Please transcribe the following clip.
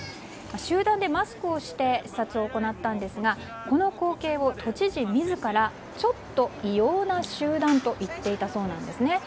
集団でマスクをして視察を行ったんですがこの光景を都知事自らちょっと異様な集団と言っていたそうなんですね。